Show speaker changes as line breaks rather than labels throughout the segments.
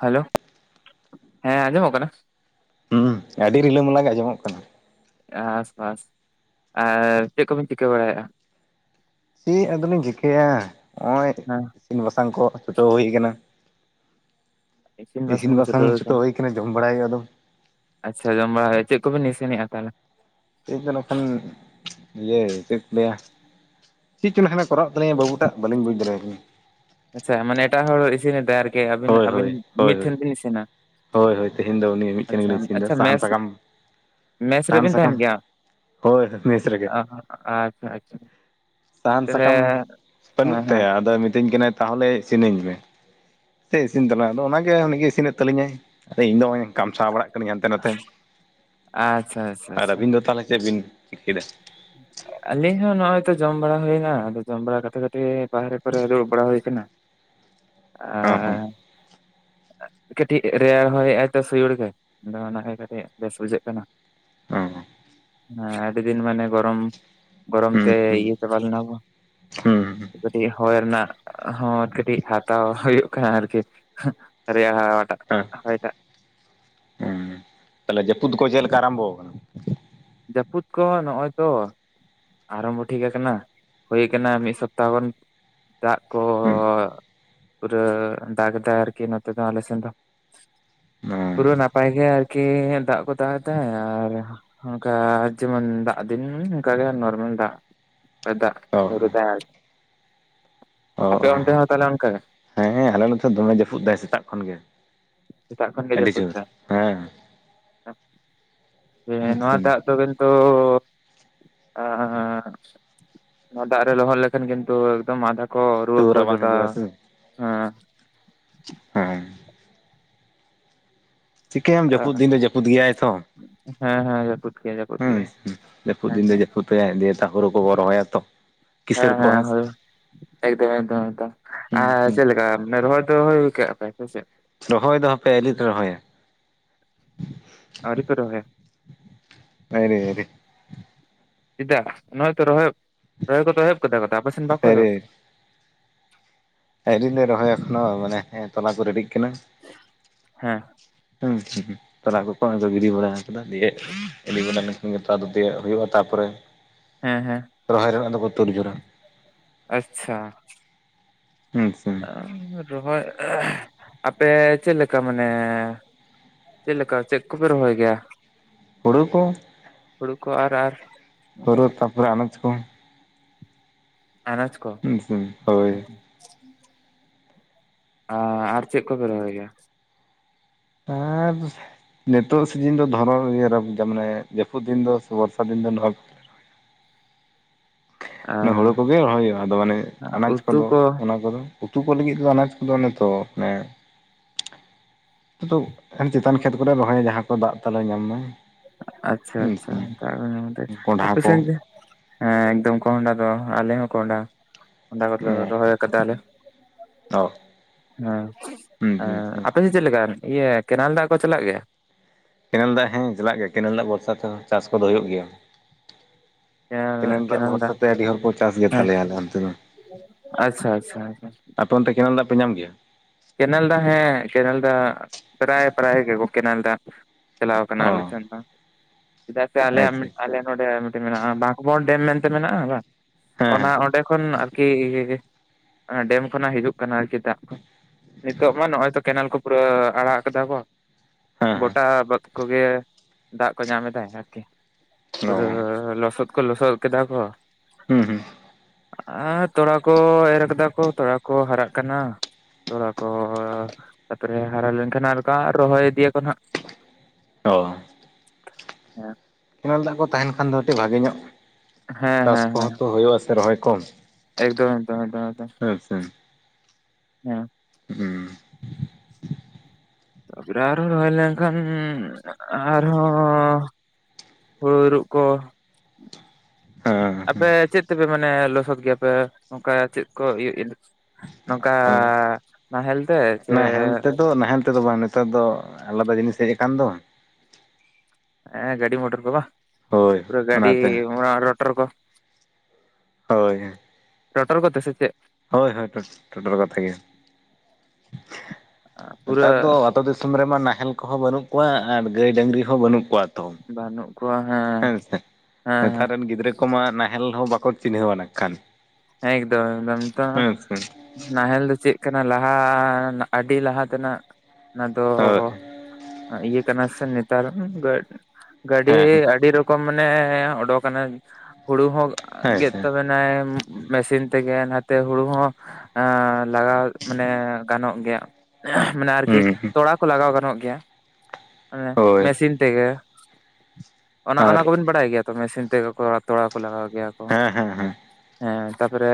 Hello, ᱦᱮᱸ ᱟᱸᱡᱚᱢᱚᱜ ᱠᱟᱱᱟ?
ᱦᱩᱸ ᱟᱹᱰᱤ ᱨᱤᱞᱟᱹ ᱢᱟᱞᱟ ᱜᱮ ᱟᱸᱚᱢᱚᱜ ᱠᱟᱱᱟ ᱾
ᱵᱟᱥ ᱵᱟᱥ ᱟᱨ ᱪᱮᱫ ᱠᱚᱵᱤᱱ ᱪᱤᱠᱟᱹ ᱵᱟᱲᱟᱭᱮᱫᱼᱟ?
ᱪᱮᱫ ᱟᱫᱚᱞᱤᱧ ᱪᱤᱠᱟᱹᱭᱟ, ᱱᱚᱜᱼᱚᱭ
ᱦᱮᱸ
ᱤᱥᱤᱱ ᱵᱟᱥᱟᱝ ᱠᱚ ᱪᱷᱩᱴᱟᱹᱣ ᱦᱩᱭ ᱠᱟᱱᱟ ᱾ ᱤᱥᱤᱱ
ᱠᱚ
ᱵᱟᱥᱟᱝ
ᱪᱷᱩᱴᱟᱹᱣ
ᱪᱩᱴᱟᱣ
ᱟᱠᱟᱱᱟ
ᱦᱩᱭ ᱠᱟᱱᱟ ᱡᱚᱢ ᱵᱟᱲᱟᱭ ᱦᱩᱭᱩᱜᱼᱟ ᱟᱫᱚ ᱾
ᱟᱪᱪᱷᱟ ᱡᱚᱢ ᱵᱟᱲᱟ ᱪᱮᱫ ᱠᱚᱵᱤᱱ ᱤᱥᱤᱱᱮᱫᱼᱟ ᱛᱟᱦᱚᱞᱮ?
ᱛᱮᱦᱮᱧ ᱫᱚ ᱱᱚᱜ ᱠᱷᱟᱱ ᱤᱭᱟᱹ ᱪᱮᱫ ᱞᱟᱹᱭᱟᱼᱼ ᱪᱮᱫ ᱪᱚ ᱮᱠᱷᱟᱱᱮ ᱠᱚᱨᱟᱣᱮᱫ ᱛᱟᱞᱤᱧᱟ ᱵᱟᱵᱩ ᱴᱟᱜ ᱵᱟᱞᱤᱧ ᱵᱩᱡᱽ ᱫᱟᱲᱮᱭᱟᱭ ᱠᱟᱱᱟ ᱾
ᱟᱪᱪᱷᱟ ᱢᱟᱱᱮ ᱮᱴᱟᱜ ᱦᱚᱲ ᱤᱥᱤᱱᱮᱜ ᱮᱫᱟᱭ ᱟᱨᱠᱤ, ᱟᱹᱵᱤᱱ
ᱦᱳᱭ
ᱟᱹᱵᱤᱱ
ᱦᱳᱭ ᱦᱳᱭ
ᱢᱤᱫ
ᱦᱳᱭ
ᱴᱷᱮᱱ ᱵᱤᱱ ᱤᱥᱤᱱᱟ ᱾
ᱦᱳᱭ ᱦᱳᱭ ᱛᱮᱦᱮᱧ ᱫᱚ ᱩᱱᱤ ᱢᱤᱫ ᱴᱷᱮᱱ ᱜᱮᱞᱤᱧ ᱤᱥᱤᱱ ᱮᱫᱟ
ᱟᱪᱪᱷᱟ
ᱥᱟᱦᱟᱱ
ᱢᱮᱥ
ᱥᱟᱠᱟᱢᱼᱼ
ᱢᱮᱥ ᱨᱮᱵᱤᱱ ᱛᱟᱦᱮᱱ ᱜᱮᱭᱟ,
ᱦᱳᱭ ᱢᱮᱥ ᱨᱮᱜᱮ
ᱚᱜᱼᱦᱚ ᱟᱪᱪᱷᱟ ᱟᱪᱪᱷᱟ ᱾
ᱥᱟᱦᱟᱱ ᱥᱟᱠᱟᱢ ᱵᱟᱹᱱᱩᱜ
ᱦᱮᱸ ᱦᱮᱸ
ᱛᱟᱭᱟ, ᱟᱫᱚᱭ ᱢᱤᱛᱟᱹᱧ ᱠᱟᱱᱟᱭ ᱛᱟᱦᱚᱞᱮ ᱤᱥᱤᱱᱟᱹᱧ ᱢᱮ ᱥᱮ ᱤᱥᱤᱱ ᱛᱟᱞᱟᱝ ᱟᱫᱚ ᱚᱱᱟᱜᱮ ᱩᱱᱤᱜᱮ ᱤᱥᱤᱱᱮᱫ ᱛᱟᱞᱤᱧᱟᱭ ᱾ ᱟᱨ ᱤᱧ ᱫᱚ ᱱᱚᱜᱼᱚᱭ ᱤᱧ ᱠᱟᱢᱥᱟᱣ ᱵᱟᱲᱟᱜ ᱠᱟᱹᱱᱟᱹᱧ ᱦᱟᱱᱛᱮ ᱱᱟᱛᱮ,
ᱟᱪᱪᱷᱟ ᱟᱪᱪᱷᱟ
ᱟᱨ ᱟᱹᱵᱤᱱ ᱫᱚ ᱛᱟᱦᱚᱞᱮᱼᱼ ᱪᱮᱫ ᱵᱤᱱ ᱪᱤᱠᱟᱹᱭ ᱫᱟ?
[inaudible] ᱟᱞᱤᱧ ᱦᱚᱸ ᱱᱚᱜᱼᱚᱭ ᱛᱚ ᱡᱚᱢ ᱵᱟᱲᱟ ᱦᱩᱭᱮᱱᱟ, ᱟᱫᱚ ᱡᱚᱢ ᱵᱟᱲᱟ ᱠᱟᱛᱮ ᱠᱟᱹᱴᱤᱡ ᱵᱟᱦᱨᱮ ᱠᱚᱨᱮ ᱫᱩᱬᱩᱵᱽ ᱵᱟᱲᱟ ᱦᱩᱭ ᱠᱟᱱᱟ ᱾
ᱦᱚᱸ
ᱚᱨᱻ ᱠᱟᱹᱴᱤᱡ ᱨᱮᱭᱟᱲ ᱦᱚᱭᱮᱫ ᱟᱭᱛᱚ ᱥᱩᱭᱩᱲ ᱜᱮ ᱟᱫᱚ ᱚᱱᱟᱜᱮ ᱠᱟᱹᱴᱤᱡ ᱵᱮᱥ ᱵᱩᱡᱷᱟᱹᱜ ᱠᱟᱱᱟ ᱾
ᱚ
ᱦᱮᱸ ᱟᱹᱰᱤ ᱫᱤᱱ ᱢᱟᱱᱮ ᱜᱚᱨᱚᱢ, ᱜᱚᱨᱚᱢ
ᱦᱚᱸ
ᱛᱮ
ᱦᱩᱸ
ᱤᱭᱟᱹ ᱪᱟᱵᱟ ᱞᱮᱱᱟ ᱵᱚᱱ ᱾
ᱦᱩᱸ ᱦᱩᱸ
ᱠᱟᱹᱴᱤᱡ ᱦᱚᱭ ᱨᱮᱱᱟᱜ ᱦᱚᱸ ᱠᱟᱹᱴᱤᱡ ᱦᱟᱛᱟᱣ ᱦᱩᱭᱩᱜ ᱠᱟᱱᱟ ᱟᱨᱠᱤ ᱾ ᱨᱮᱭᱟᱲ ᱦᱟᱣᱟ ᱴᱟᱜ
ᱦᱩᱸ
ᱦᱚᱭ ᱴᱟᱜ ᱾
ᱛᱟᱦᱮᱞᱮ ᱡᱟᱯᱩᱫ ᱠᱚ ᱪᱮᱫ ᱞᱮᱠᱟ ᱟᱨᱟᱢᱵᱚ ᱠᱟᱱᱟ?
ᱡᱟᱹᱯᱩᱫ ᱠᱚᱦᱚᱸ ᱱᱚᱜᱼᱚᱭ ᱛᱚ ᱾ ᱟᱨᱢᱵᱚ ᱴᱷᱤᱠ ᱟᱠᱟᱱᱟ, ᱦᱩᱭ ᱠᱟᱱᱟ ᱢᱤᱫ ᱥᱚᱯᱛᱟᱦᱚ ᱠᱷᱚᱱ ᱫᱟᱜ ᱠᱚ
ᱦᱩᱸ
ᱯᱩᱨᱟᱹ ᱫᱟᱜ ᱜᱮᱫᱟᱭ ᱟᱨᱠᱤ ᱱᱚᱛᱮ ᱫᱚ ᱟᱞᱮ ᱥᱮᱱ ᱫᱚ ᱾
ᱦᱚᱸ
ᱯᱩᱨᱟᱹ ᱱᱟᱯᱟᱭ ᱜᱮ ᱟᱨᱠᱤ ᱫᱟᱜ ᱠᱚ ᱛᱟᱦᱮᱱ ᱛᱟᱦᱮᱸ ᱟᱨᱼᱼ ᱚᱱᱠᱟ ᱡᱮᱢᱚᱱ ᱫᱟᱜ ᱫᱤᱱ ᱚᱱᱠᱟ ᱜᱮ ᱱᱚᱨ ᱫᱟᱜ ᱦᱚᱭ ᱫᱟᱜ
ᱚ
ᱱᱩᱨᱩᱫᱟᱭ ᱟᱞᱮᱥᱮᱫᱼᱼ
ᱚ
ᱟᱯᱮ ᱚᱱᱛᱮ ᱦᱚᱸ ᱛᱟᱦᱚᱞᱮ ᱚᱱᱠᱟ ᱜᱮ?
ᱦᱮᱸ ᱟᱞᱮ ᱱᱚᱛᱚ ᱫᱚ ᱫᱚᱢᱮ ᱡᱟᱹᱯᱩᱫ ᱫᱟᱭ ᱥᱮᱛᱟᱜ ᱠᱷᱚᱱ ᱜᱮ,
ᱥᱮᱛᱟᱜ ᱠᱷᱚᱱ
ᱟᱹᱰᱤ ᱡᱳᱨ ᱦᱮᱸ ᱾
ᱦᱮᱸ ᱱᱚᱣᱟ ᱫᱟᱜ ᱫᱚ ᱠᱤᱱᱛᱩᱼᱼ ᱮ ᱱᱚᱣᱟ ᱫᱟᱜ ᱨᱮ ᱞᱚᱦᱚᱫ ᱞᱮᱠᱷᱟᱱ ᱠᱤᱱᱛᱩ ᱮᱠᱫᱚᱢ ᱢᱟᱫᱟᱼᱼ ᱠᱚ ᱨᱩᱣᱟᱹ ᱠᱚ
ᱛᱩᱣᱟᱹᱨᱟ ᱵᱟᱝ
ᱡᱚᱴᱟᱣᱟ
ᱦᱤᱡᱩᱜᱼᱟ ᱥᱮ
ᱦᱮᱸ ᱾
ᱦᱮᱸ ᱾ ᱪᱤᱠᱟᱹᱭᱟᱢ ᱡᱟᱹᱯᱩᱫ ᱫᱤᱱ ᱫᱚ ᱡᱟᱹᱯᱩᱫ ᱜᱮᱭᱟᱭ ᱛᱷᱚ,
ᱦᱮᱸ ᱦᱮᱸ ᱡᱟᱹᱯᱩᱫ ᱜᱮᱭᱟ ᱡᱟᱹᱯᱩᱫ
ᱦᱩᱸ
ᱜᱮᱭᱟ
ᱦᱩᱸ ᱾ ᱡᱟᱹᱯᱩᱫ
ᱦᱮᱸ
ᱫᱤᱱ ᱫᱚ ᱡᱟᱹᱯᱩᱫ ᱜᱭᱟᱭ, ᱫᱤᱭᱮ ᱛᱟᱯᱚᱨᱮ ᱦᱩᱲᱩ ᱠᱚ ᱵᱚᱱ ᱨᱚᱦᱚᱭᱟ ᱛᱚ ᱾
ᱦᱮᱸ ᱦᱮᱸ ᱦᱚᱭ ᱮᱠᱫᱚᱢ ᱮᱠᱫᱚᱢ ᱮᱠᱫᱚᱢ
ᱦᱩᱸ
ᱟᱸᱻ
ᱦᱩᱸ
ᱪᱮᱫ ᱞᱮᱠᱟ ᱢᱟᱱᱮ ᱨᱚᱦᱚᱭ ᱫᱚ ᱠᱮ ᱟᱯᱮ ᱟᱯᱮ ᱥᱮᱫ ᱾
ᱨᱚᱦᱚᱭ ᱫᱚ ᱦᱟᱯᱮ ᱟᱞᱤ ᱛᱮ ᱨᱚᱦᱚᱭᱟ ᱾
ᱟᱹᱣᱨᱤ ᱯᱮ ᱨᱚᱦᱚᱭᱟ
ᱟᱹᱨᱮ
᱾ ᱪᱮᱫᱟᱜ ᱱᱚ-ᱚᱭ ᱛᱚ ᱨᱚᱦᱚᱭ ᱨᱚᱦᱚᱭ ᱠᱚᱫᱚ ᱮᱦᱚᱵ ᱟᱠᱟᱫᱟ ᱛᱚ ᱟᱯᱮ ᱥᱮᱱ ᱵᱟᱠᱚ ᱮᱦᱚᱵ ᱠᱟᱫᱟ ᱾
ᱟᱹᱣᱨᱤᱞᱮ ᱨᱚᱦᱚᱭᱟ ᱮᱠᱷᱚᱱᱚ ᱢᱟᱱᱮ ᱦᱮᱸᱜ-ᱮ ᱛᱚᱞᱟ ᱠᱚ ᱨᱮᱰᱤᱜ ᱠᱟᱱᱟ ᱾
ᱦᱮᱸᱻ
ᱦᱩᱸ ᱦᱩᱸ ᱛᱚᱞᱟ ᱠᱚᱠᱚ ᱦᱚᱜ-ᱚᱭ ᱠᱚ ᱜᱤᱰᱤ ᱵᱟᱲᱟ ᱟᱠᱟᱫᱟ ᱫᱤᱭᱮ [unintelligible] ᱱᱮᱛᱟᱨ ᱫᱚ ᱛᱤᱭᱳ ᱦᱩᱭᱩᱜᱼᱟ ᱛᱟᱯᱚᱨᱮ
ᱦᱮᱸ ᱦᱮᱸ
ᱨᱚᱦᱚᱭ ᱨᱮᱱᱟᱜ ᱫᱚᱠᱚ ᱛᱩᱨ ᱡᱳᱨᱟ ᱾
ᱟᱪᱪᱷᱟ ᱾
ᱟᱪᱪᱷᱟ ᱾
ᱨᱚᱦᱚᱭ ᱟᱯᱮ ᱪᱮᱫ ᱞᱮᱠᱟ ᱢᱟᱱᱮ ᱪᱮᱫ ᱞᱮᱠᱟ ᱪᱮᱫ ᱠᱚᱯᱮ ᱨᱚᱦᱚᱭ ᱜᱮᱭᱟ?
ᱦᱳᱲᱳ ᱠᱚ ᱾
ᱦᱳᱲᱳ ᱠᱚ ᱟᱨ ᱟᱨ
ᱦᱳᱨᱳ
ᱚᱱᱠᱟᱱᱟᱜ
ᱛᱟᱨᱯᱚᱨᱮ ᱟᱱᱟᱡᱽ ᱠᱚ ᱾
ᱟᱱᱟᱡᱽ ᱠᱚ
ᱦᱩᱸ ᱥᱮ ᱦᱳᱭ
᱾ ᱟᱻ ᱟᱨ ᱪᱮᱫ ᱠᱚᱯᱮ ᱨᱚᱦᱚᱭ ᱜᱮᱭᱟ?
ᱟᱨ ᱱᱤᱛᱚᱜ ᱥᱤᱡᱤᱱ ᱫᱚ ᱫᱷᱚᱨᱚ ᱤᱭᱟᱹ ᱨᱮ ᱢᱟᱱᱮ ᱡᱟᱹᱯᱩᱫ ᱫᱤᱱ ᱫᱚ [unintelligible] ᱟᱹᱵᱤᱱ ᱫᱚ ᱱᱚᱦᱚᱜ ᱚᱱᱮ ᱦᱳᱲᱳ
ᱟᱨ
ᱠᱚᱜᱮ ᱨᱚᱦᱚᱭ ᱦᱩᱭᱩᱜᱼᱟ ᱟᱫᱚ ᱚᱱᱮ ᱟᱱᱟᱡᱽ
ᱩᱛᱩ
ᱠᱚᱫᱚ
ᱠᱚ
ᱚᱱᱟ ᱠᱚᱫᱚ? ᱩᱛᱩ ᱠᱚ ᱞᱟᱹᱜᱤᱫ ᱦᱚᱸ ᱟᱱᱟᱡᱽ ᱠᱚᱫᱚ ᱚᱱᱮ ᱛᱚ ᱚᱱᱮ ᱱᱚᱛᱮ ᱫᱚ ᱪᱮᱛᱟᱱ ᱠᱷᱮᱛ ᱠᱚᱨᱮ ᱨᱚᱦᱚᱭᱟ ᱡᱟᱦᱟᱸ ᱠᱚ ᱫᱟᱜ ᱛᱟᱞᱮ ᱧᱟᱢ ᱫᱟᱭ ᱾
ᱟᱪᱪᱷᱟ ᱟᱪᱪᱷᱟ [unintelligible]
ᱠᱚᱸᱰᱷᱟ
ᱟᱯᱮ
ᱠᱚ
ᱥᱮᱫ ᱦᱮᱸ ᱮᱠᱫᱚᱢ ᱠᱚᱦᱱᱰᱟ ᱫᱚ ᱟᱞᱮ ᱦᱚᱸ ᱠᱚᱦᱱᱰᱟ ᱠᱚᱦᱱᱰᱟ ᱠᱚᱨᱮ ᱞᱮ ᱨᱚᱦᱚᱭ ᱠᱟᱫᱟ ᱟᱞᱮ ᱾
ᱛᱚ
ᱦᱮᱸ ᱮᱸᱻ ᱟᱯᱮ ᱥᱮᱫ ᱪᱮᱫ ᱞᱮᱠᱟ ᱤᱭᱟᱹ ᱠᱮᱱᱮᱞ ᱫᱟᱜ ᱠᱚ ᱪᱟᱞᱟᱜ ᱜᱮᱭᱟ?
ᱠᱮᱱᱮᱞ ᱫᱟᱜ ᱦᱮᱸ ᱪᱟᱞᱟᱜ ᱜᱮᱭᱟ ᱠᱮᱱᱮᱞ ᱫᱟᱜ ᱵᱷᱚᱨᱥᱟ ᱛᱮᱦᱚᱸ ᱪᱟᱥ ᱠᱚᱫᱚ ᱦᱩᱭᱩᱜ ᱜᱮᱭᱟ ᱾ ᱠᱮᱱᱮᱞ ᱫᱟᱜ ᱵᱷᱚᱨᱥᱟ ᱛᱮ ᱟᱹᱰᱤ ᱦᱚᱲ ᱠᱚ ᱪᱟᱥ ᱜᱮ
ᱦᱮᱸ
ᱛᱟᱞᱮᱭᱟ ᱟᱞᱮ ᱚᱱᱛᱮ ᱫᱚ
ᱟᱪᱪᱷᱟ ᱟᱪᱪᱷᱟ ᱟᱪᱪᱷᱟ
᱾ ᱟᱯᱮ ᱚᱱᱛᱮ ᱠᱮᱱᱮᱞ ᱫᱟᱜ ᱯᱮ ᱧᱟᱢ ᱜᱮᱭᱟ?
ᱠᱮᱱᱮᱞ ᱫᱟᱜ ᱦᱮᱸ ᱠᱮᱱᱮᱞ ᱫᱟᱜ ᱯᱮᱨᱟᱭ ᱯᱮᱨᱟᱭ ᱜᱮ ᱠᱚ ᱠᱮᱱᱮᱞ ᱫᱟᱜ ᱪᱟᱞᱟᱣ ᱟᱠᱟᱱᱟ
ᱚ
ᱟᱞᱮ ᱥᱮᱱ ᱦᱚ ᱪᱮᱫᱟᱜ ᱥᱮ ᱟᱞᱮᱭᱟᱜ
ᱟᱪᱪᱷᱟ
ᱢᱤᱫ
ᱟᱪᱪᱷᱟ
ᱟᱞᱮ ᱱᱚᱰᱮ ᱢᱮᱱᱟᱜᱼᱟ ᱵᱟᱠᱵᱚᱨ ᱰᱮᱢ ᱢᱮᱱᱛᱮ ᱢᱮᱱᱟᱜᱼᱟ ᱵᱟᱝ
ᱦᱮᱸ
ᱚᱱᱟ
ᱦᱮᱸ
ᱚᱸᱰᱮ ᱠᱷᱚᱱ ᱠᱤ ᱚᱱᱟ ᱰᱮᱢ ᱠᱷᱚᱱᱟᱜ ᱦᱤᱡᱩᱜ ᱠᱟᱱᱟ ᱟᱨᱠᱤ ᱫᱟᱜ ᱠᱚ ᱾ ᱱᱤᱛᱚᱜ ᱢᱟ ᱱᱚᱜᱼᱚᱭ ᱛᱚ ᱠᱮᱱᱮᱞ ᱠᱚ ᱯᱩᱨᱟᱹ ᱟᱲᱟᱜ ᱟᱠᱟᱫᱟ ᱠᱚ
ᱦᱮᱸ
ᱜᱚᱴᱟ
ᱦᱮᱸ
ᱵᱟᱹᱛ ᱠᱚᱜᱮ ᱫᱟᱜ ᱠᱚ ᱧᱟᱢ ᱮᱫᱟᱭ ᱟᱨᱠᱤ
ᱚ
ᱯᱩᱨᱟᱹ ᱞᱚᱥᱚᱫ ᱠᱚ ᱞᱚᱥᱚᱫ ᱠᱮᱫᱟ ᱠᱚ ᱾
ᱦᱩᱸ ᱦᱩᱸ ᱾
ᱟᱨ ᱛᱚᱲᱟ ᱠᱚ ᱮᱨ ᱟᱠᱟᱫᱟ ᱠᱚ ᱛᱚᱲᱟ ᱠᱚ ᱦᱟᱨᱟᱜ ᱠᱟᱱᱟ ᱾ ᱛᱚᱲᱟ ᱠᱚ ᱛᱟᱯᱚᱨᱮ ᱦᱟᱨᱟ ᱞᱮᱱᱠᱷᱟᱱ ᱟᱨᱫᱟ ᱨᱚᱦᱚᱭ ᱤᱫᱤ ᱭᱟᱠᱚ ᱱᱷᱟᱜ ᱾
ᱚᱻ
ᱦᱮᱸ ᱾
ᱠᱮᱱᱮᱞ ᱫᱟᱜ ᱠᱚ ᱛᱟᱦᱮᱱ ᱠᱷᱟᱱ ᱫᱚ ᱠᱟᱹᱴᱤᱡ ᱵᱷᱟᱜᱮ ᱧᱚᱜ
ᱦᱮᱸ
ᱪᱟᱥ
ᱦᱮᱸ ᱦᱮᱸ
ᱠᱚᱦᱚᱸ ᱛᱚ ᱦᱩᱭᱩᱜᱼᱟ ᱥᱮ ᱨᱚᱦᱚᱭ ᱠᱚ ᱾
ᱮᱠᱫᱚᱢ ᱮᱠᱫᱚᱢ ᱮᱠᱫᱚᱢ ᱮᱫᱚᱢ ᱦᱮᱸ ᱾
ᱦᱩᱸᱻ
ᱵᱮᱲᱟ ᱨᱮ ᱨᱚᱦᱚᱭ ᱞᱮᱱᱠᱷᱟᱱ ᱟᱨᱦᱚᱸᱻ ᱦᱩᱲᱩ ᱤᱨᱚᱜ ᱠᱚ
ᱦᱮᱸ
ᱟᱯᱮ ᱪᱮᱫ ᱛᱮᱯᱮ ᱢᱟᱱᱮ ᱞᱚᱥᱚᱫ ᱜᱮᱭᱟᱯᱮ ᱱᱚᱝᱠᱟ ᱪᱮᱫ ᱠᱚ? ᱱᱚᱝᱠᱟᱻ
ᱦᱮᱸ
ᱱᱟᱦᱮᱞ ᱛᱮ ᱥᱮᱼᱼ
ᱛᱮ ᱫᱚ ᱵᱟᱝ ᱱᱮᱛᱟᱨ ᱫᱚ ᱟᱞᱟᱫᱟ ᱡᱤᱱᱤᱥ ᱦᱮᱡ ᱟᱠᱟᱱ ᱫᱚ।
ᱮ ᱜᱟᱹᱰᱤ ᱢᱚᱴᱚᱨ ᱠᱚ ᱵᱟ
ᱦᱳᱭ
ᱯᱩᱨᱟᱹ ᱜᱟᱹᱰᱤ
ᱚᱱᱟᱛᱮ
ᱚᱱᱟ ᱨᱚᱴᱚᱨ ᱠᱚ।
ᱦᱳᱭ
ᱴᱚᱴᱚᱨ ᱠᱚᱛᱮ ᱥᱮ ᱪᱮᱫ?
ᱦᱳᱭ ᱦᱳᱭ ᱴᱚ ᱴᱚᱴᱚᱨ ᱠᱚᱛᱮ ᱜᱮ
ᱯᱩᱨᱟᱹ
ᱱᱮᱛᱟᱨ ᱫᱚ ᱟᱛᱳ ᱫᱤᱥᱚᱢ ᱫᱤᱥᱚᱢ ᱨᱮᱢᱟ ᱱᱟᱦᱮᱞ ᱠᱚᱦᱚᱸ ᱵᱟᱹᱱᱩᱜ ᱠᱚᱣᱟ ᱟᱨ ᱜᱟᱹᱭ ᱰᱟᱹᱝᱨᱤ ᱦᱚᱸ ᱵᱟᱹᱱᱩᱜ ᱠᱚᱣᱟ ᱛᱚ।
ᱵᱟᱹᱱᱩᱜ ᱠᱚᱣᱟ ᱦᱮᱸ ᱦᱮᱸ ᱦᱮᱸ।
ᱱᱮᱛᱟᱨ ᱨᱮᱱ ᱜᱤᱫᱽᱨᱟᱹ ᱠᱚᱢᱟ ᱱᱟᱦᱮᱞ ᱦᱚᱸ ᱵᱟᱠᱚ ᱪᱤᱱᱦᱟᱹᱣᱼᱟ ᱱᱟᱜᱠᱷᱟᱱ।
ᱮᱠᱫᱚᱢ ᱮᱠᱫᱚᱢ ᱛᱚ ᱱᱟᱦᱮᱞ ᱫᱚ ᱪᱮᱫ ᱠᱟᱱᱟ ᱞᱟᱦᱟᱻ ᱟᱹᱰᱤ ᱞᱟᱦᱟ ᱛᱮᱱᱟᱜ ᱚᱱᱟᱫᱚᱼᱼ
ᱦᱳᱭ
ᱤᱭᱟᱹ ᱠᱟᱱᱟᱥᱮ ᱱᱮᱛᱟᱨ ᱜᱟ ᱜᱟᱰᱤ
ᱦᱮᱸ
ᱟᱰᱤ ᱨᱚᱠᱼᱼ ᱠᱚᱢ ᱢᱟᱱᱮ ᱚᱰᱳᱠᱱᱟᱭ ᱦᱩᱲᱩ ᱦᱚᱸ
ᱦᱮᱸ
ᱜᱮᱫ
ᱥᱮ
ᱛᱟᱵᱮᱱᱟᱭ ᱢᱮᱥᱤᱱ ᱛᱮᱜᱮ ᱚᱱᱟᱛᱮ ᱦᱩᱲᱩ ᱦᱚᱸ ᱮᱸᱻ ᱞᱟᱜᱟᱣ ᱢᱟᱱᱮ ᱜᱟᱱᱚᱜ ᱜᱮᱭᱟ। ᱢᱟᱱᱮ ᱟᱨᱠᱤ
ᱦᱩᱸ
ᱛᱚᱲᱟ ᱠᱚ ᱞᱟᱜᱟᱣ ᱜᱟᱱᱚᱜ ᱜᱮᱭᱟ। ᱚᱱᱮ
ᱦᱳᱭ
ᱢᱮᱥᱤᱱ ᱛᱮᱜᱮ। ᱚᱱᱟ
ᱟᱨ
ᱚᱱᱟ ᱠᱚᱵᱤᱱ ᱵᱟᱲᱟᱭ ᱜᱮᱭᱟ ᱛᱚ ᱢᱮᱥᱤᱱ ᱛᱮᱜᱮ ᱛᱚᱲᱟ ᱠᱚ ᱞᱟᱜᱟᱣ ᱜᱮᱭᱟ। ᱠᱚ
ᱦᱮᱸ ᱦᱮᱸ ᱦᱮᱸ।
ᱦᱮᱸ ᱛᱟᱯᱚᱨᱮ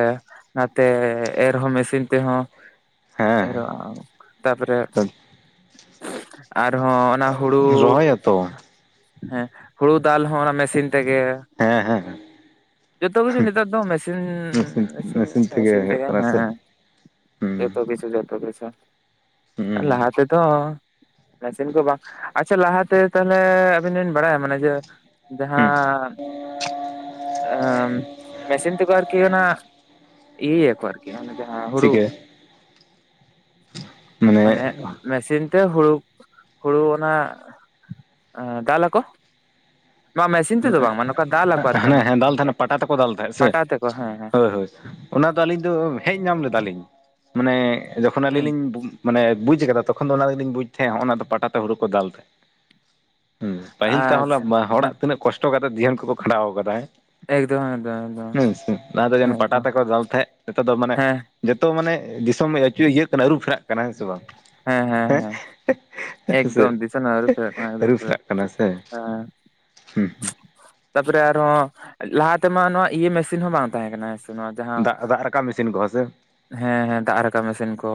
ᱱᱟᱛᱮ ᱮᱨᱦᱚᱸ ᱢᱮᱥᱤᱱ ᱛᱮᱦᱚᱸ।
ᱦᱮᱸ
ᱮᱨᱚᱜ ᱛᱟᱯᱚᱨᱮ ᱟᱨᱦᱚᱸ ᱚᱱᱟ ᱦᱩᱲᱩ
ᱨᱚᱦᱚᱭᱟᱛᱚ
ᱦᱮᱸ ᱦᱩᱲᱩ ᱫᱟᱞ ᱦᱚᱸ ᱚᱱᱟ ᱢᱮᱥᱤᱱ ᱛᱮᱜᱮᱼᱼ
ᱦᱮᱸ ᱦᱮᱸ
ᱡᱚᱛᱚ ᱠᱤᱪᱷᱩ ᱱᱮᱛᱟᱨ ᱫᱚ ᱢᱮᱥᱤᱼᱼ ᱦᱩᱸ
ᱢᱮᱥᱤᱱ
ᱦᱩᱸ ᱤᱥᱤᱱᱟᱜ
ᱢᱮᱥᱤᱱ
ᱤᱥᱤᱱ
ᱦᱩᱭᱩᱜ
ᱛᱮᱜᱮ
ᱠᱟᱱᱟ ᱥᱮ ᱦᱩᱸ
ᱦᱮᱸ ᱛᱚ ᱠᱤᱪᱷᱩ ᱡᱚᱛᱚ ᱠᱤᱪᱷᱩ ᱟᱨ
ᱦᱩᱸ
ᱞᱟᱦᱟᱛᱮᱫᱚᱻ ᱢᱮᱥᱤᱱ ᱠᱚ ᱵᱟᱝ ᱟᱪᱪᱷᱟ ᱞᱟᱦᱟᱛᱮ ᱛᱟᱞᱦᱮ ᱟᱹᱵᱤᱱ ᱵᱤᱱ ᱵᱟᱲᱟᱭᱟ ᱢᱟᱱᱮ ᱡᱮ
ᱦᱩᱸ
ᱡᱟᱦᱟᱸ ᱟᱢ ᱢᱮᱥᱤᱱ ᱟᱨᱠᱤ ᱚᱱᱟ ᱤᱭᱟᱹᱭᱟ ᱠᱚ ᱟᱨᱠᱤ ᱚᱱᱟ ᱡᱟᱦᱟᱸ ᱦᱩᱲᱩ
ᱪᱤᱠᱟᱹ
ᱢᱟᱱᱮ ᱢᱮᱥᱤᱱ ᱛᱮ ᱦᱩᱲᱩ ᱦᱩᱲᱩ ᱚᱱᱟ ᱮᱸ ᱫᱟᱞᱟᱠᱚ ᱱᱚᱣᱟ ᱢᱮᱥᱤᱱ ᱛᱮᱫᱚ ᱵᱟᱝ ᱢᱟᱱᱮ ᱫᱟᱞᱟᱠᱚ ᱟᱨᱠᱤ ᱚᱱᱟ
ᱠᱚ ᱫᱟᱞ ᱛᱟᱦᱮᱸᱜ ᱥᱮ
ᱯᱟᱴᱟ ᱛᱮᱠᱚ ᱦᱮᱸ ᱦᱮᱸ
ᱦᱳᱭ ᱦᱳᱭ। ᱚᱱᱟ ᱫᱚ ᱟᱹᱞᱤᱧ ᱫᱚ ᱦᱮᱡ ᱧᱟᱢ ᱞᱮᱫᱟᱞᱤᱧ ᱢᱟᱱᱮ ᱡᱚᱠᱷᱚᱱ ᱟᱹᱞᱤᱧ
ᱦᱩᱸ
ᱞᱤᱧ ᱵᱩ ᱢᱟᱱᱮ ᱵᱩᱡᱽ ᱠᱟᱫᱟ ᱛᱚᱠᱷᱚᱱ ᱫᱚ ᱚᱱᱟᱨᱮᱜᱮᱞᱤᱧ ᱵᱩᱡᱽ ᱛᱟᱦᱮᱸᱜ ᱚᱱᱟᱫᱚ ᱯᱟᱴᱟᱛᱮ ᱦᱳᱲᱳ ᱠᱚ ᱫᱟᱞ ᱛᱟᱦᱮᱸᱜ ᱦᱩᱸ ᱯᱟᱹᱦᱤᱞ ᱛᱟᱦᱚᱞᱮ
ᱟᱪᱪᱷᱟ
ᱦᱚᱲᱟᱜ
ᱦᱮᱸ
ᱛᱤᱱᱟᱹᱜ ᱠᱚᱥᱴᱚ ᱠᱟᱛᱮᱜ ᱡᱤᱭᱚᱱ ᱠᱚᱠᱚ ᱠᱷᱟᱸᱰᱟᱣ ᱠᱟᱫᱟ ᱦᱮᱸ
ᱮᱠᱫᱚᱢ ᱮᱠᱫᱚᱢ ᱮᱠᱫᱚᱢ
ᱦᱩᱸ ᱦᱩᱸ ᱞᱟᱦᱟ ᱛᱮ ᱡᱮ
ᱦᱮᱸ
ᱯᱟᱴᱟ
ᱮᱠᱫᱚᱢ
ᱛᱮᱠᱚ ᱫᱟᱞ ᱛᱟᱦᱮᱸᱜ ᱱᱤᱛᱚᱜ ᱫᱚ ᱢᱟᱱᱮ
ᱦᱮᱸ
ᱡᱚᱛᱚ ᱢᱟᱱᱮ ᱫᱤᱥᱚᱢ ᱟᱹᱪᱩᱭ ᱤᱭᱟᱹᱜ ᱠᱟᱱᱟ ᱟᱹᱨᱩ ᱯᱷᱮᱨᱟᱜ ᱠᱟᱱᱟ ᱦᱮᱸ ᱥᱮ ᱵᱟᱝ
ᱦᱮᱸ ᱦᱮᱸ ᱦᱮᱸ
ᱦᱮᱸ ᱥᱮ
ᱮᱠᱫᱚᱢ ᱫᱤᱥᱚᱢᱟ ᱟᱹᱨᱩᱯᱷᱮᱨᱟᱜ ᱠᱟᱱᱟ ᱮᱠᱫᱚᱢ
ᱟᱹᱨᱩ
ᱯᱩᱨᱟᱹ
ᱯᱷᱮᱨᱟᱜ ᱠᱟᱱᱟ ᱥᱮ
ᱦᱮᱸ
ᱦᱩᱸ ᱦᱩᱸ
ᱛᱟᱨᱯᱚᱨᱮ ᱟᱨᱦᱚᱸ ᱞᱟᱦᱟ ᱛᱮᱢᱟ ᱱᱚᱣᱟ ᱤᱭᱟᱹ ᱢᱮᱥᱤᱱ ᱦᱚᱸ ᱵᱟᱝ ᱛᱟᱦᱮᱸᱠᱟᱱᱟ ᱱᱚᱣᱟ ᱡᱟᱦᱟᱸ
ᱫᱟᱜ ᱫᱟᱜ ᱨᱟᱠᱟᱵ ᱢᱮᱥᱤᱱ ᱠᱚᱦᱚᱸ ᱥᱮ
ᱦᱮᱸ ᱦᱮᱸ ᱫᱟᱜ ᱨᱟᱠᱟᱵ ᱢᱮᱥᱤᱱ ᱠᱚ।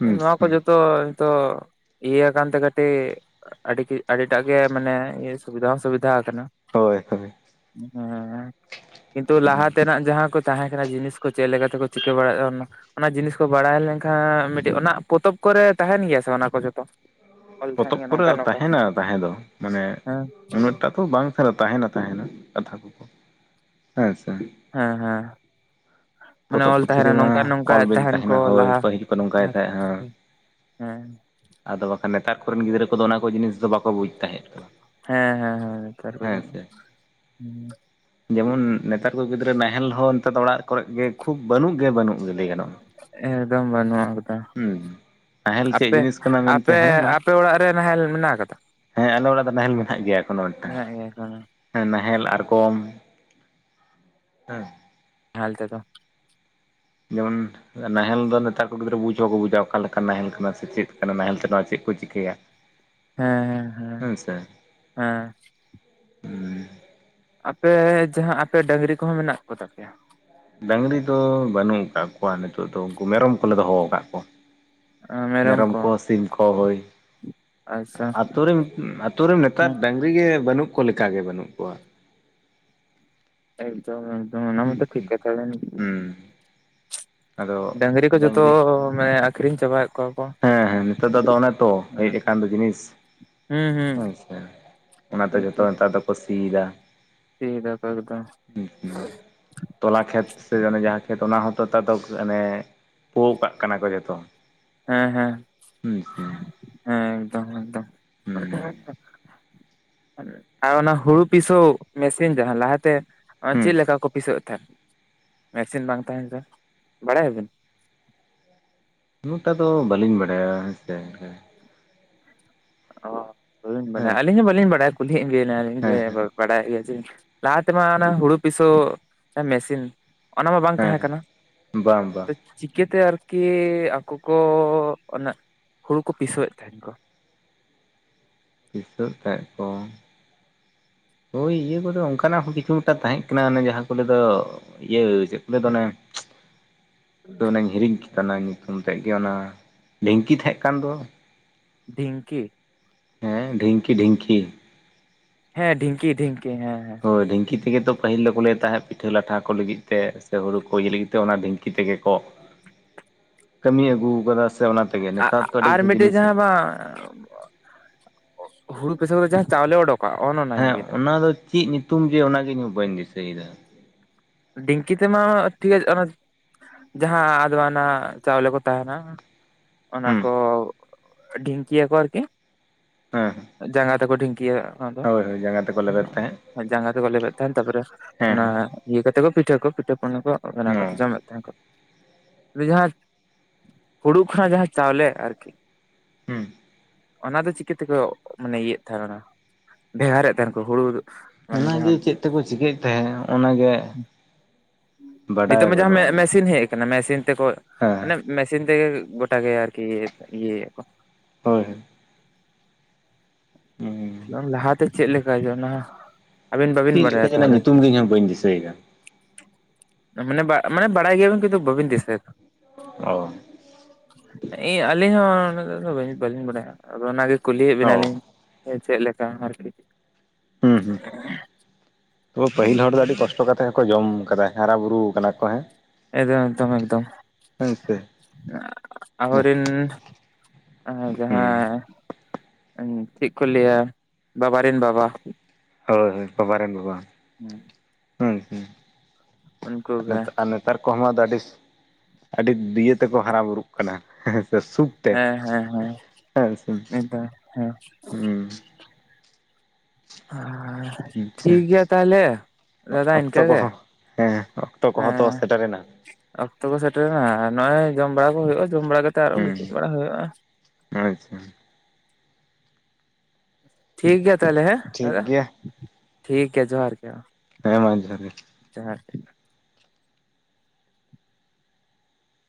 ᱦᱩᱸ
ᱱᱚᱣᱟ ᱠᱚ
ᱦᱩᱸ
ᱡᱚᱛᱚ ᱱᱤᱛᱚᱜ ᱤᱭᱟᱹ ᱠᱟᱱᱛᱮ ᱠᱟᱹᱴᱤᱡ ᱟᱹᱰᱤᱜᱤ ᱟᱹᱰᱤᱴᱟᱜ ᱜᱮ ᱢᱟᱱᱮ ᱥᱩᱵᱤᱫᱷᱟ ᱦᱚᱸ ᱥᱩᱵᱤᱫᱷᱟ ᱟᱠᱟᱱᱟ᱾
ᱦᱳᱭ᱾ ᱦᱳᱭ
ᱦᱮᱸ, ᱠᱤᱱᱛᱩ ᱞᱟᱦᱟ ᱛᱮᱱᱟᱜ ᱡᱟᱦᱟᱸ ᱠᱚ ᱛᱟᱦᱮᱸ ᱠᱟᱱᱟ ᱡᱤᱱᱤᱥ ᱠᱚ, ᱪᱮᱫᱞᱮᱠᱟ ᱛᱮᱠᱚ ᱪᱤᱠᱟᱹ ᱵᱟᱲᱟᱭᱟ ᱚᱱᱟ ᱚᱱᱟ ᱡᱤᱱᱤᱥ ᱠᱚ ᱵᱟᱲᱟᱭ ᱞᱮᱱᱠᱷᱟᱱ ᱢᱤᱫᱴᱤᱡ ᱚᱱᱟ ᱯᱚᱛᱚᱵ ᱠᱚᱨᱮ ᱛᱟᱦᱮᱱ ᱜᱮᱭᱟ ᱥᱮ ᱚᱱᱟ ᱠᱚ ᱡᱷᱚᱛᱚ ᱾
ᱯᱚᱛᱚᱵ ᱠᱚᱨᱮ ᱛᱟᱦᱮᱱᱟ ᱛᱟᱦᱮᱸ ᱫᱚ ᱢᱟᱱᱮ
ᱦᱮᱸ
᱾ ᱩᱱᱟᱹᱜᱴᱟ ᱛᱚ ᱵᱟᱝᱠᱷᱟᱱ ᱛᱟᱦᱮᱱᱟ ᱛᱟᱦᱮ ᱫᱚ ᱠᱟᱛᱷᱟ ᱦᱮᱸ ᱥᱮ
ᱦᱮᱸ ᱦᱮᱸ, ᱢᱟᱱᱮ
ᱯᱚᱛᱚᱵ
ᱚᱞ
ᱯᱩᱛᱷᱤ
ᱛᱟᱦᱮᱱᱟ ᱱᱚᱝᱠᱟ
ᱨᱮᱢᱟ
ᱱᱚᱝᱠᱟ
ᱚᱞ ᱵᱤᱞ
ᱛᱟᱦᱮᱱ ᱠᱚ
ᱛᱟᱦᱮᱱᱟ ᱦᱳᱭ
ᱞᱟᱦᱟ
ᱯᱟᱹᱦᱤᱞ ᱠᱚ ᱱᱚᱝᱠᱟᱭ ᱛᱟᱦᱮᱸᱜᱼᱟ
ᱦᱮᱸ,
ᱟᱫᱚ ᱵᱟᱠᱷᱟᱱ ᱱᱮᱛᱟᱨ ᱠᱚᱨᱮᱱ ᱜᱤᱫᱽᱨᱟᱹ ᱠᱚᱫᱚ ᱚᱱᱟ ᱠᱚ ᱡᱤᱱᱤᱥ ᱫᱚ ᱵᱟᱠᱚ ᱵᱩᱡ ᱛᱟᱦᱮᱸᱫ ᱫᱚ ᱾
ᱦᱮᱸ ᱦᱮᱸ ᱦᱮᱸ ᱱᱮᱛᱟᱨ ᱠᱚᱫᱚ ᱦᱩᱸ᱾
ᱡᱮᱢᱚᱱ ᱱᱮᱛᱟᱨ ᱠᱚ ᱜᱤᱫᱽᱨᱟᱹ ᱱᱟᱦᱮᱞ ᱦᱚᱸ ᱱᱮᱛᱟᱨ ᱫᱚ ᱚᱲᱟᱜ ᱠᱚᱨᱮᱜ ᱜᱮ ᱠᱷᱩᱵ ᱵᱟᱹᱱᱩᱜ ᱜᱮ ᱵᱟᱹᱱᱩᱜ ᱾
ᱮᱠᱫᱚᱢ ᱵᱟᱹᱱᱩᱜᱼᱟ ᱜᱚᱴᱟ ᱾
ᱦᱩᱸ ᱱᱟᱦᱮᱞ ᱪᱮᱫ
ᱟᱯᱮ
ᱡᱤᱱᱤᱥ ᱠᱟᱱᱟ ᱢᱮᱱᱛᱮ
ᱟᱯᱮ
ᱦᱮᱸ ᱢᱟ
ᱟᱯᱮ ᱚᱲᱟᱜ ᱨᱮ ᱱᱟᱦᱮᱞ ᱢᱮᱱᱟᱜ ᱟᱠᱟᱫᱟ?
ᱦᱮᱸ ᱟᱞᱮ ᱚᱲᱟᱜ ᱫᱚ ᱱᱟᱦᱮᱞ ᱢᱮᱱᱟᱜ ᱜᱮᱭᱟ ᱮᱠᱷᱚᱱᱳ ᱢᱤᱫᱴᱟᱝ ᱾
ᱢᱮᱱᱟᱜ ᱜᱮᱭᱟ ᱮᱠᱷᱚᱱᱳ ᱾
ᱦᱮᱸ ᱱᱟᱦᱮᱞ ᱟᱨᱜᱚᱢ ᱦᱮᱸ ᱾
ᱱᱟᱦᱮᱞ ᱛᱮᱫᱚ
ᱡᱮᱢᱚᱱ ᱱᱟᱦᱮᱞ ᱫᱚ ᱱᱮᱛᱟᱨ ᱠᱚ ᱜᱤᱫᱽᱨᱟᱹ ᱵᱩᱡᱽ ᱦᱚᱸ ᱱᱟᱦᱮᱞ ᱫᱚ ᱱᱮᱛᱟᱨ ᱠᱚ ᱜᱤᱫᱽᱨᱟᱹ ᱵᱩᱡ ᱦᱚᱸ ᱵᱟᱝᱠᱚ ᱵᱩᱡᱟ ᱚᱠᱟ ᱞᱮᱠᱟ ᱱᱟᱦᱮᱞ ᱠᱟᱱᱟ ᱥᱮ ᱪᱮᱫ ᱠᱟᱱᱟ ᱱᱟᱦᱮᱞ ᱛᱮ ᱪᱮᱫ ᱠᱚ ᱪᱤᱠᱟᱹᱭᱟ ᱾
ᱦᱮᱸ ᱦᱮᱸ᱾
ᱦᱳᱭ ᱥᱮ᱾
ᱦᱮᱸ, ᱟᱯᱮ ᱡᱟᱦᱟᱸ ᱟᱯᱮ ᱰᱟᱹᱝᱨᱤ ᱠᱚᱦᱚᱸ ᱢᱮᱱᱟᱜ ᱠᱚᱛᱟᱯᱮᱭᱟ?
ᱰᱟᱹᱝᱨᱤ ᱫᱚ ᱵᱟᱹᱱᱩᱜ ᱟᱠᱟᱫ ᱠᱚᱣᱟ ᱱᱤᱛᱚᱜ ᱫᱚ᱾ ᱩᱱᱠᱩ ᱢᱮᱨᱚᱢ ᱠᱚᱞᱮ ᱫᱚᱦᱚ ᱟᱠᱟᱫ ᱠᱚᱣᱟ ᱾ ᱢᱮᱨᱚᱢ ᱠᱚ ᱥᱤᱢ ᱠᱚ ᱦᱳᱭ
ᱟᱪᱪᱷᱟ
ᱟᱛᱩᱨᱮᱱ ᱟᱛᱩᱨᱮᱱ
ᱦᱮᱸ
ᱱᱮᱛᱟᱨ ᱵᱟᱝᱨᱤ ᱰᱟᱹᱝᱨᱤᱜᱮ ᱵᱟᱹᱱᱩᱜ ᱠᱚ ᱞᱮᱠᱟᱜᱮ ᱵᱟᱹᱱᱩᱜ ᱠᱚᱣᱟ ᱾
ᱮᱠᱫᱚᱢ ᱮᱠᱫᱚᱢ ᱚᱱᱟ
ᱦᱩᱸ
ᱢᱟᱛᱚ ᱴᱷᱤᱠ ᱠᱟᱛᱷᱟ ᱠᱟᱱᱜᱮ
ᱦᱩᱸ ᱟᱫᱚ
ᱰᱟᱹᱝᱨᱤ ᱠᱚ ᱡᱚᱛᱚ ᱢᱟᱱᱮ ᱟᱠᱷᱨᱤᱧ ᱪᱟᱵᱟᱭᱮᱫ ᱠᱚᱣᱟ ᱾
ᱦᱮᱸ ᱦᱮᱸ ᱱᱮᱛᱟᱨ ᱫᱚ ᱟᱫᱚ ᱚᱱᱮ ᱛᱚ ᱦᱮᱡ ᱟᱠᱟᱱ ᱫᱚ ᱡᱤᱱᱤᱥ ᱾
ᱦᱩᱸ ᱦᱩᱸ
ᱦᱳᱭᱥᱮ ᱚᱱᱟᱛᱮ ᱡᱚᱛᱚ ᱱᱮᱛᱟᱨ ᱫᱚᱠᱚ ᱥᱤᱭᱫᱟ ᱾
ᱥᱤᱭᱫᱟ ᱛᱚᱵᱮ ᱠᱷᱟᱱ᱾
ᱦᱩᱸ ᱦᱩᱸ᱾ ᱛᱚᱞᱟ ᱠᱷᱮᱛ ᱥᱮ ᱚᱱᱮ ᱡᱟᱦᱟᱸ ᱠᱷᱮᱛ ᱚᱱᱟ ᱦᱚᱸᱛᱚ ᱱᱮᱛᱟᱨ ᱫᱚ ᱚᱱᱮ ᱯᱳ ᱠᱟᱜ ᱠᱟᱱᱟ ᱠᱚ ᱡᱚᱛᱚ ᱾
ᱦᱮᱸ ᱦᱮᱸ᱾
ᱦᱳᱭ ᱥᱮ ᱾
ᱦᱮᱸ ᱮᱠᱫᱚᱢ ᱮᱠᱫᱚᱢ ᱾ ᱟᱨ ᱚᱱᱟ ᱦᱩᱲᱩ ᱯᱤᱥᱟᱹᱭ ᱢᱮᱥᱤᱱ ᱡᱟᱦᱟᱸ ᱞᱟᱦᱟᱛᱮ
ᱦᱩᱸ
ᱪᱮᱫ ᱞᱮᱠᱟ ᱠᱚ ᱯᱤᱥᱟᱹᱭ ᱮᱫ ᱛᱟᱦᱮᱸᱫ ᱾ ᱢᱮᱥᱤᱱ ᱵᱟᱝ ᱛᱟᱦᱮᱱ ᱛᱮ, ᱵᱟᱲᱟᱭᱟᱵᱤᱱ?
ᱩᱱᱟᱹᱜ ᱴᱟ ᱫᱚ ᱵᱟᱹᱞᱤᱧ ᱵᱟᱲᱟᱭᱟ ᱦᱮᱸᱥᱮ ᱦᱮᱸ ᱾
ᱚᱻ ᱵᱟᱵᱤᱱ
ᱦᱮᱸ
ᱵᱟᱲᱟᱭᱟ ᱟᱹᱞᱤᱧ ᱦᱚᱸ ᱵᱟᱹᱞᱤᱧ ᱵᱟᱲᱟᱭᱟ᱾ ᱠᱩᱞᱤᱭᱮᱫ ᱵᱮᱱᱟᱞᱤᱧ ᱡᱮ
ᱦᱮᱸ ᱦᱮᱸ
ᱵᱟᱲᱟᱭᱮᱫ ᱜᱮᱭᱟ ᱥᱮ ᱞᱟᱦᱟ ᱛᱮᱢᱟ ᱚᱱᱟ ᱦᱩᱲᱩ ᱯᱤᱥᱟᱹ ᱢᱮᱥᱤᱱ ᱚᱱᱟ ᱢᱟ ᱵᱟᱝ ᱛᱟᱦᱮᱸ ᱠᱟᱱᱟ
ᱦᱮᱸ ᱵᱟᱝ ᱵᱟᱝ
᱾ ᱪᱤᱠᱟᱹᱛᱮ ᱟᱨᱠᱤ ᱟᱠᱚ ᱠᱚ ᱚᱱᱟ ᱦᱩᱲᱩ ᱠᱚ ᱯᱤᱥᱟᱹᱮᱫ ᱛᱟᱦᱮᱱ ᱠᱚ?
[unintelligible] ᱛᱟᱦᱮᱡ ᱠᱚᱼᱼ ᱳᱭ ᱤᱭᱟᱹ ᱠᱚᱫᱚ ᱚᱱᱠᱟᱱᱟᱜ ᱦᱚᱸ ᱠᱤᱪᱷᱩ ᱴᱟᱜ ᱛᱟᱦᱮᱸ ᱠᱟᱱᱟ ᱚᱱᱮ ᱡᱟᱦᱟᱸ ᱠᱚ ᱞᱟᱹᱭ ᱫᱚ ᱤᱭᱟᱹᱼᱼ ᱪᱮᱫ ᱠᱚ ᱞᱟᱹᱭ ᱫᱚ ᱚᱱᱮ ᱚᱱᱮᱧ ᱦᱤᱨᱤᱧ ᱠᱮᱫᱼᱼ ᱠᱟᱱᱟ ᱧᱩᱛᱩᱢ ᱛᱮᱫ ᱜᱮ ᱚᱱᱟ ᱰᱷᱤᱝᱠᱤ ᱛᱟᱦᱮᱸ ᱠᱟᱱ ᱫᱚᱼᱼ
ᱰᱷᱤᱝᱠᱤᱼᱼ
ᱦᱮᱸ ᱰᱷᱤᱝᱠᱤ ᱰᱷᱤᱝᱠᱤᱼᱼ
ᱦᱮᱸ ᱰᱷᱤᱝᱠᱤ ᱰᱷᱤᱝᱠᱤ ᱦᱮᱸ ᱦᱮᱸᱼᱼ
ᱦᱳᱭ ᱰᱷᱤᱝᱠᱤ ᱛᱮᱜᱮ ᱛᱚ ᱯᱟᱹᱦᱤᱞ ᱫᱚᱠᱚ ᱞᱟᱹᱭᱮᱫ ᱛᱟᱦᱮᱸᱫ ᱯᱤᱴᱷᱟᱹ ᱞᱟᱴᱷᱟ ᱠᱚ ᱞᱟᱹᱜᱤᱫ ᱛᱮ ᱥᱮ ᱦᱩᱲᱩ ᱠᱚ ᱤᱭᱟᱹ ᱞᱟᱹᱜᱤᱫ ᱛᱮ ᱚᱱᱟ ᱰᱷᱤᱝᱠᱤ ᱛᱮ ᱜᱮ ᱠᱚᱼᱼ
[inaudible]
ᱠᱟᱹᱢᱤ ᱟᱹᱜᱩᱣ ᱟᱠᱟᱫᱟ ᱥᱮ ᱚᱱᱟᱼᱼ
ᱟ ᱟ ᱟᱨ ᱢᱤᱫᱴᱮᱡ ᱡᱟᱦᱟᱸ ᱵᱟᱝ ᱦᱩᱲᱩ ᱯᱮᱥᱟᱹᱭ ᱠᱟᱛᱮ ᱡᱟᱦᱟᱸ ᱪᱟᱣᱞᱮ ᱚᱰᱩᱠᱚᱜ
ᱦᱮᱸ ᱚᱱᱟ ᱫᱚ ᱪᱮᱫ ᱧᱩᱛᱩᱢ ᱡᱮ ᱚᱱᱟ ᱜᱮ ᱤᱧ ᱵᱟᱹᱧ ᱫᱤᱥᱟᱹᱭ ᱮᱫᱟ
ᱰᱷᱤᱝᱠᱤ ᱛᱮᱢᱟ ᱴᱷᱤᱠ ᱚᱱᱟ ᱡᱟᱦᱟᱸ ᱟᱫᱣᱟᱱᱟᱜ ᱪᱟᱣᱞᱮ ᱠᱚ ᱛᱟᱦᱮᱱᱟ ᱚᱱᱟ
ᱦᱩᱸ
ᱠᱚ ᱰᱷᱤᱝᱠᱤᱭᱟ ᱠᱚ ᱟᱨᱠᱤᱼᱼ
ᱦᱮᱸ
ᱡᱟᱸᱜᱟ ᱛᱮ ᱠᱚ ᱰᱷᱤᱝᱠᱤᱭᱟ
ᱦᱳᱭ ᱦᱳᱭ ᱡᱟᱸᱜᱟ ᱛᱮᱠᱚ ᱞᱮᱵᱮᱫ ᱛᱟᱦᱮᱸᱫ
[unintelligible] ᱡᱟᱸᱜᱟ ᱛᱮ ᱠᱚ ᱞᱮᱵᱮᱫ ᱛᱟᱦᱮᱱ ᱛᱟᱨᱯᱚᱨᱮ
ᱦᱮᱸ
ᱚᱱᱟᱼᱼ ᱤᱭᱟᱹ ᱠᱟᱛᱮ ᱠᱚ ᱯᱤᱴᱷᱟᱹ ᱠᱚ ᱯᱤᱴᱟᱹ ᱠᱚ ᱚᱱᱮ ᱠᱚ ᱵᱮᱱᱟᱣ
ᱦᱮᱸ
ᱠᱟᱛᱮ ᱡᱚᱢᱮᱫ [unintelligible] ᱦᱩᱲᱩ ᱠᱷᱚᱱᱟᱜ ᱡᱟᱦᱟᱸ ᱪᱟᱣᱞᱮ ᱟᱨᱠᱤᱼᱼ
ᱦᱮᱸ
ᱚᱱᱟ ᱫᱚ ᱪᱤᱠᱟᱹ ᱛᱮᱠᱚ ᱢᱟᱱᱮ ᱤᱭᱟ ᱮᱫ ᱛᱟᱦᱮᱱᱟ ᱵᱷᱮᱜᱟᱨᱮᱫ ᱛᱟᱦᱮᱱ ᱠᱚ ᱦᱩᱲᱩᱼᱼ
ᱚᱱᱟ ᱜᱮ ᱪᱮᱫ ᱛᱮᱠᱚ ᱪᱤᱠᱟᱹᱭ ᱮᱫ ᱛᱟᱦᱮᱸᱫ ᱚᱱᱟ ᱜᱮᱼᱼ
ᱱᱤᱛᱚᱜ ᱢᱟ ᱡᱟᱦᱟᱸ [unintelligible] ᱢᱮᱥᱤᱱ ᱦᱮᱡᱼᱼ ᱢᱮᱥᱤᱱ ᱛᱮ ᱠᱚ
ᱦᱮᱸ
ᱢᱟᱱᱮ ᱢᱮᱥᱤᱱ ᱛᱮᱜᱮ ᱜᱚᱴᱟ ᱜᱮ ᱟᱨᱠᱤ ᱤᱭᱟᱹ ᱠᱚ
ᱦᱳᱭ ᱦᱳᱭ ᱦᱩᱸ
ᱞᱟᱦᱟ ᱛᱮ ᱪᱮᱫ ᱞᱮᱠᱟ ᱡᱚᱱᱟ
ᱪᱮᱫ ᱞᱮᱠᱟ ᱡᱮᱱᱟᱜ ᱧᱩᱛᱩᱢ ᱜᱮ ᱤᱧᱦᱚᱸ ᱵᱟᱹᱧ ᱫᱤᱥᱟᱹᱭ ᱮᱫᱟ
ᱢᱟᱱᱮ ᱵᱟ ᱢᱟᱱᱮ ᱵᱟᱲᱟᱭ ᱜᱮᱭᱟ ᱵᱤᱱ ᱠᱤᱱᱛᱩ ᱵᱟᱹᱵᱤᱱ ᱫᱤᱥᱟᱹᱭ ᱫᱟ
ᱚᱻ
ᱤ ᱟᱹᱞᱤᱧ ᱦᱚᱸ ᱵᱟᱹᱞᱤᱧ ᱵᱟᱲᱟᱭᱟ ᱟᱫᱚ ᱚᱱᱟ ᱜᱮ ᱠᱩᱞᱤᱭ ᱮᱫ
ᱚ
ᱵᱮᱱᱟ ᱞᱤᱧ ᱥᱮ ᱪᱮᱫ ᱞᱮᱠᱟ ᱟᱨᱠᱤᱼᱼ
ᱦᱩᱸ ᱦᱩᱸ ᱛᱚ ᱯᱟᱹᱦᱤᱞ ᱦᱚᱲ ᱫᱚ ᱟᱹᱰᱤ ᱠᱚᱥᱴᱚᱼᱼ ᱛᱚ ᱠᱟᱛᱮ ᱦᱚᱸᱠᱚ ᱡᱚᱢ ᱠᱟᱫᱟ ᱦᱟᱨᱟ ᱵᱩᱨᱩ ᱠᱟᱱᱟ ᱠᱚ ᱦᱮᱸᱼᱼ
ᱮᱫᱚᱢ ᱮᱠᱫᱚᱢ ᱮᱠᱫᱚᱢ
ᱥᱮ
ᱟᱵᱚ ᱨᱤᱱ
ᱦᱩᱸ
ᱡᱟᱦᱟᱸ ᱪᱮᱫ ᱠᱚ ᱞᱟᱹᱭᱟ ᱵᱟᱵᱟ ᱨᱮᱱ ᱵᱟᱵᱟᱼᱼ
ᱦᱳᱭ ᱦᱳᱭ ᱵᱟᱵᱟ ᱨᱮᱱ ᱵᱟᱵᱟ
ᱦᱮᱸ
ᱦᱩᱸ ᱦᱩᱸ
ᱩᱱᱠᱩ ᱜᱮ
[unintelligible] ᱱᱮᱛᱟᱨ ᱠᱚᱸ ᱦᱚᱸ ᱟᱹᱰᱤ ᱟᱹᱰᱤ ᱫᱤᱭᱟᱹ ᱛᱮ ᱠᱚ ᱦᱟᱨᱟ ᱵᱩᱨᱩᱜ ᱠᱟᱱᱟ ᱦᱮᱸ ᱥᱮ ᱥᱩᱠ
ᱦᱮᱸ ᱦᱮᱸ ᱦᱮᱸ
[unintelligible] ᱦᱮᱸ ᱥᱮ
ᱮᱠᱫᱚᱢ ᱦᱮᱸ
ᱦᱩᱸ
ᱦᱮᱸᱻ
ᱟᱪᱪᱷᱟ
ᱴᱷᱤᱠ ᱜᱮᱭᱟ ᱛᱟᱦᱞᱮ
ᱚᱠᱛᱚ ᱠᱚ ᱦᱚᱸ ᱦᱮᱸ ᱚᱠᱛᱚ ᱠᱚ ᱦᱚᱸ ᱛᱚ
ᱦᱮᱸ
ᱥᱮᱴᱮᱨ ᱮᱱᱟ
ᱚᱠᱛᱚ ᱠᱚ ᱥᱮᱴᱮᱨ ᱮᱱᱟ ᱟᱨ ᱱᱚᱜᱼᱚᱭ ᱡᱚᱢ ᱵᱟᱲᱟ ᱠᱚ ᱦᱩᱭᱩᱜᱼᱟ ᱡᱚᱢ ᱵᱟᱲᱟ ᱠᱟᱛᱮ ᱟᱨᱚ
ᱦᱩᱸ
ᱜᱤᱛᱤᱡ ᱵᱟᱲᱟ ᱦᱩᱭᱩᱜᱼᱟ
ᱟᱪᱪᱷᱟ
ᱴᱷᱤᱠ ᱜᱮᱭᱟ ᱛᱟᱦᱞᱮ ᱦᱮᱸ
ᱴᱷᱤᱠ ᱜᱮᱭᱟ
ᱴᱷᱤᱠ ᱜᱮᱭᱟ ᱡᱚᱦᱟᱨ ᱜᱮᱼᱼ
ᱦᱮᱸ ᱢᱟ ᱡᱚᱦᱟᱨ ᱜᱮᱼᱼ
ᱡᱚᱦᱟᱨ ᱜᱮ ᱾